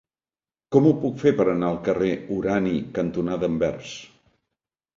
Com ho puc fer per anar al carrer Urani cantonada Anvers?